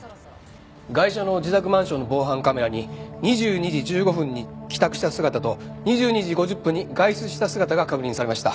ガイシャの自宅マンションの防犯カメラに２２時１５分に帰宅した姿と２２時５０分に外出した姿が確認されました。